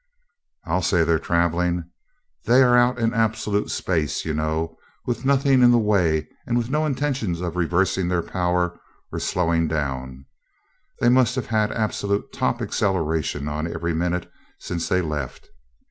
"I'll say they're traveling! They're out in absolute space, you know, with nothing in the way and with no intention of reversing their power or slowing down they must've had absolute top acceleration on every minute since they left.